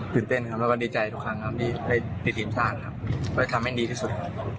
ตื่นเต้นแล้วก็ดีใจทุกครั้งที่ชาติทำให้ดีที่สุด